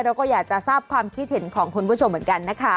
เราก็อยากจะทราบความคิดเห็นของคุณผู้ชมเหมือนกันนะคะ